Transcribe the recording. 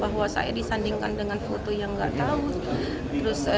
bahwa saya disandingkan dengan foto yang nggak tahu